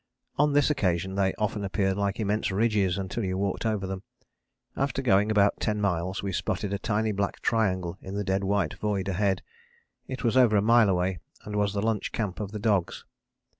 On this occasion they often appeared like immense ridges until you walked over them. After going about 10 miles we spotted a tiny black triangle in the dead white void ahead, it was over a mile away and was the lunch camp of the dogs.